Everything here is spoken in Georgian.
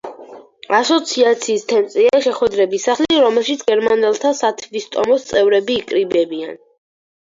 ასოციაციის ცენტრია „შეხვედრების სახლი“, რომელშიც გერმანელთა სათვისტომოს წევრები იკრიბებიან.